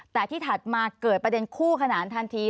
แต่ที่ถัดมาเกิดประเด็นคู่ขนานทันที